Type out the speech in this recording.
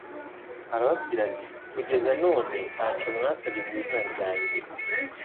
Arababwira ati: «Kugeza none ntacyo mwasabye mu izina ryanjye.»